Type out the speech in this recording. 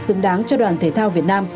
xứng đáng cho đoàn thể thao việt nam